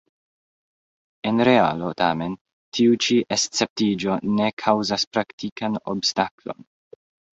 En realo tamen tiu ĉi esceptiĝo ne kaŭzas praktikan obstaklon.